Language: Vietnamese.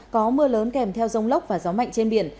có mưa lớn kèm theo rông lốc và gió mạnh trên biển